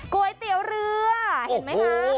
ก๋วยเตี๋ยวเรือเห็นไหมคะ